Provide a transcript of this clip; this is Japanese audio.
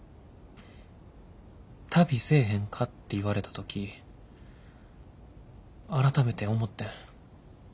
旅せえへんかって言われた時改めて思ってん。